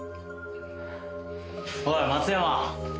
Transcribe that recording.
おい松山。